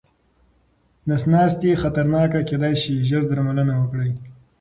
نس ناسته خطرناکه کيداې شي، ژر درملنه وکړئ.